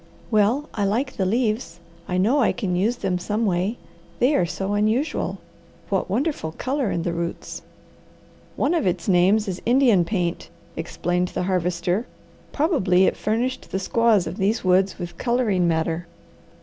"Well I like the leaves. I know I can use them some way. They are so unusual. What wonderful colour in the roots!" "One of its names is Indian paint," explained the Harvester. "Probably it furnished the squaws of these woods with colouring matter.